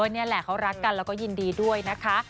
นี่แหละเขารักกันแล้วก็ยินดีด้วยนะคะ